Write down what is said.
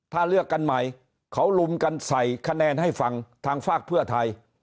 ถ้าเลือกกันใหม่เขาลุมกันใส่คะแนนให้ฟังทางฝากเพื่อไทย